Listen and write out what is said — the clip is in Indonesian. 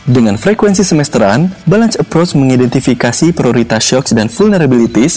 dengan frekuensi semesteran balance approach mengidentifikasi prioritas shock dan vulnerabilities